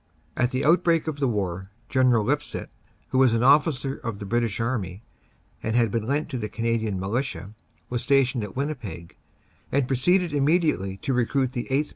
At the outbreak of the war General Lipsett, who was an officer of the British Army and had been lent to the Cana dian Militia, was stationed at Winnipeg, and proceeded immediately to recruit the 8th.